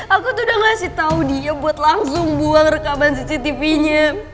aku tuh udah ngasih tau dia buat langsung buang rekaman cctv nya